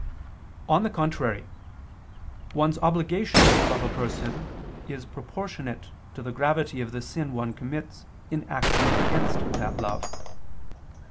On the contrary, One's obligation to love a person is proportionate to the gravity of the sin one commits in acting against that love.